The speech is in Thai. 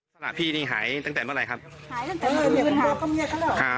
สละพี่นี่หายตั้งแต่เมื่อไหร่ครับหายตั้งแต่เมื่อไหร่ครับ